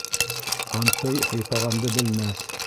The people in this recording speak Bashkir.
Һантый һыйпағанды белмәҫ.